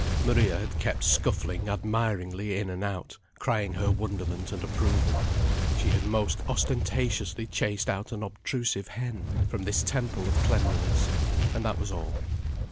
Maria had kept scuffling admiringly in and out, crying her wonderment and approval. She had most ostentatiously chased out an obtrusive hen, from this temple of cleanliness. And that was all.